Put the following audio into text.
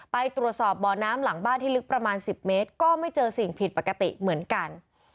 ไปตรวจสอบบ่อน้ำหลังบ้านที่ลึกประมาณ๑๐เมตรก็ไม่เจอสิ่งผิดปกติเหมือนกัน